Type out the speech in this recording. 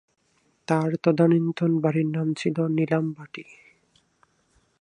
তাঁর তদানীন্তন বাড়ির নাম ছিল 'নীলামবাটী'।